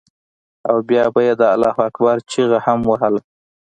او بيا به یې د الله اکبر چیغه هم وهله.